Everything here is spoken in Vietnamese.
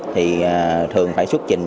thì thường phải xuất trình